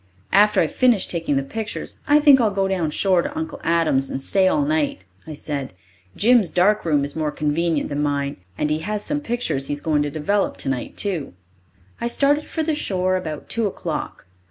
"After I've finished taking the pictures, I think I'll go down shore to Uncle Adam's and stay all night," I said. "Jim's dark room is more convenient than mine, and he has some pictures he is going to develop tonight, too." I started for the shore about two o'clock.